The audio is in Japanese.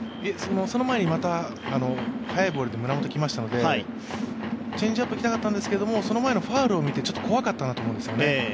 その前にまた速いボールで胸元来ましたのでチェンジアップいきたかったんですけど、その前のファウルを見てちょっと怖かったなと思うんですよね。